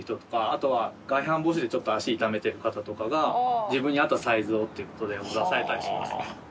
あとは外反母趾でちょっと足痛めてる方とかが自分に合ったサイズをってことでオーダーされたりしますね。